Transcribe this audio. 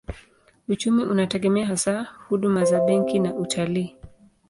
Uchumi unategemea hasa huduma za benki na utalii.